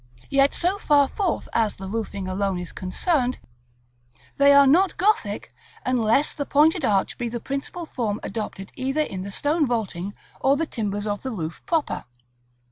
Yet so far forth as the roofing alone is concerned, they are not Gothic unless the pointed arch be the principal form adopted either in the stone vaulting or the timbers of the roof proper.